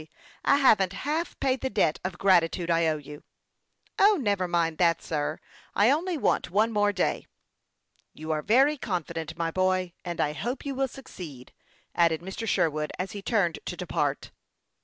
I haven't half paid the debt of gratitude I owe you." " O, never mind that, sir ! I only want one more day." " You are very confident, my boy, and I hope you will succeed," added Mr. Sherwood, as he turned to depart.